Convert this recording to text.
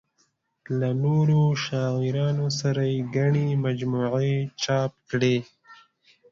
له نورو شاعرانو سره یې ګڼې مجموعې چاپ کړې.